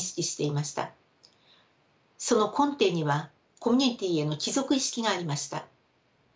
その根底にはコミュニティーへの帰属意識がありました。